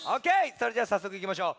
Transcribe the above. それじゃあさっそくいきましょう。